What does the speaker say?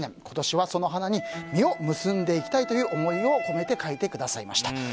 今年は、その花に実を結んでいきたいという思いを込めて書いてくださいました。